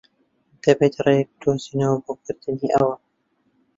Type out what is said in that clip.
دەبێت ڕێیەک بدۆزینەوە بۆ کردنی ئەوە.